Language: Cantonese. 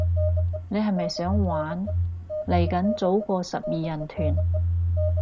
你係咪想玩，嚟緊組個十二人團